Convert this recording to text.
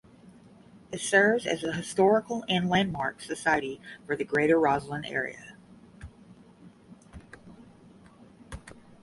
It serves as the historical and landmark society for the Greater Roslyn area.